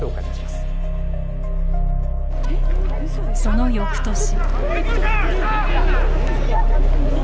その翌年。